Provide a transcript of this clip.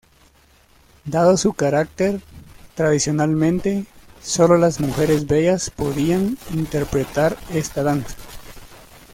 Dado su carácter, tradicionalmente solo las mujeres bellas podían interpretar esta danza.